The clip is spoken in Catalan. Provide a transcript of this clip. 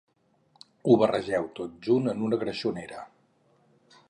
Ho barregeu tot junt en una greixonera